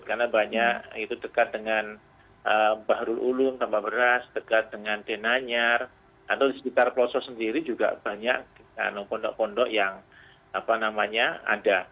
karena banyak itu dekat dengan baharul ulum tambah beras dekat dengan denanyar atau di sekitar pelosok sendiri juga banyak pondok pondok yang ada